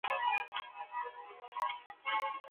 د سوریانو کارنامي هم پاڼي ډکي کړي دي